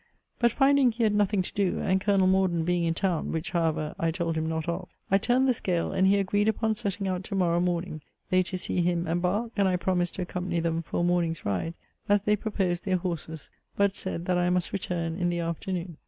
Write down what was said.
But finding he had nothing to do, and Col. Morden being in town, (which, however, I told him not of,) I turned the scale; and he agreed upon setting out to morrow morning; they to see him embark; and I promised to accompany them for a morning's ride (as they proposed their horses); but said, that I must return in the afternoon.